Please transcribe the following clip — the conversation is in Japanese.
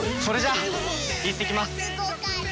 それじゃあいってきます。